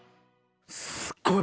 すっごい。